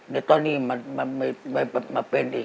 เดี๋ยวตอนนี้มันไม่เป็นอีก